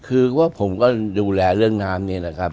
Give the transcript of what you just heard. คือว่าผมก็ดูแลเรื่องน้ำนี่แหละครับ